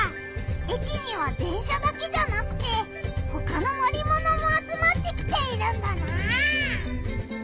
駅には電車だけじゃなくてほかの乗りものも集まってきているんだな！